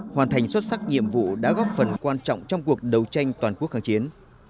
hoàn thành xuất sắc nhiệm vụ đã góp phần quan trọng trong cuộc đấu tranh toàn quốc kháng chiến